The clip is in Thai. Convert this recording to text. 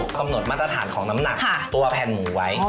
กำหนดมาตรฐานของน้ำหนักตัวแผ่นหมูไว้